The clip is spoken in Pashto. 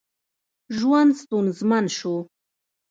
ژوند ستونزمن شو.